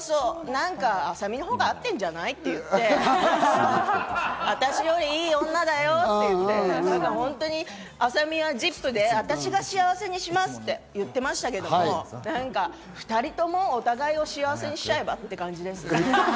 なんか麻美の方が合ってんじゃない？って言って、あたしよりいい女だよって言って、ただ本当に麻美は『ＺＩＰ！』で私が幸せにしますって言ってたけど、２人ともお互いを幸せにしちゃえば？って感じですか。